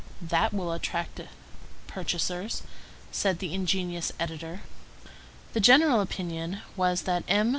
"That will attract purchasers," said the ingenious editor. The general opinion was that M.